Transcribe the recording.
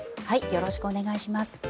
よろしくお願いします。